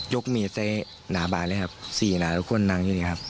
ยกมีซะหน้าบานสี่หน้าทุกคนในนี้ครับ